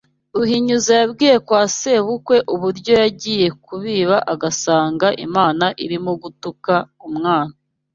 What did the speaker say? Ruhinyuza yabwiye kwa sebukwe uburyo yagiye kubiba agasanga Imana irimo gutuka umwana